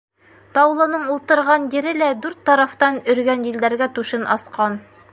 Таулының ултырған ере лә дүрт тарафтан өргән елдәргә түшен асҡан.